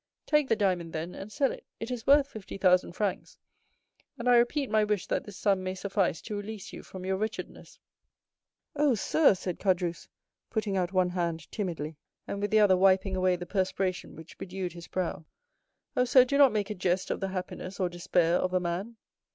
Take the diamond, then, and sell it; it is worth fifty thousand francs, and I repeat my wish that this sum may suffice to release you from your wretchedness." 0351m "Oh, sir," said Caderousse, putting out one hand timidly, and with the other wiping away the perspiration which bedewed his brow,—"Oh, sir, do not make a jest of the happiness or despair of a man."